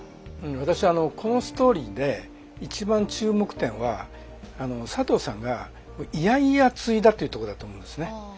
私あのこのストーリーで一番注目点は佐藤さんがっていうとこだと思うんですね。